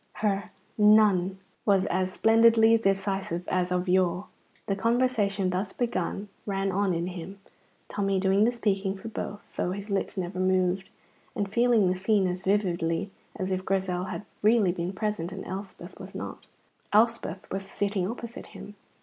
Her "None!" was as splendidly decisive as of yore. The conversation thus begun ran on in him, Tommy doing the speaking for both (though his lips never moved), and feeling the scene as vividly as if Grizel had really been present and Elspeth was not. Elspeth was sitting opposite him.